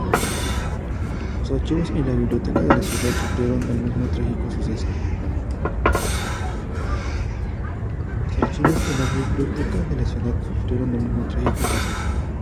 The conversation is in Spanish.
Los archivos y la biblioteca de la ciudad sufrieron el mismo trágico suceso.